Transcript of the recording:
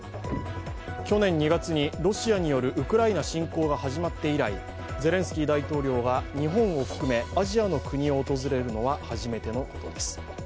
去年２月にロシアによるウクライナ侵攻が始まって以来ゼレンスキー大統領が日本を含めアジアの国を訪れるのは初めてのことです。